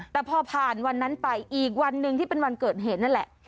แต่พอผ่านวันนั้นไปอีกวันหนึ่งที่เป็นวันเกิดเหตุนั่นแหละ